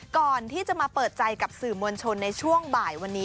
ก่อนที่จะมาเปิดใจกับสื่อมวลชนในช่วงบ่ายวันนี้